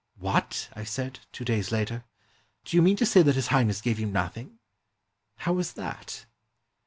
" What! " I said, two days later, '' do you mean to say that His Highness gave you nothing? How was that?"